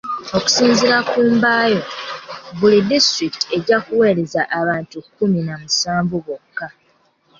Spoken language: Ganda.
Okusinziira ku Mbayo buli disitulikiti ejja kuweereza abantu kkumi na musanvu bokka.